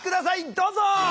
どうぞ！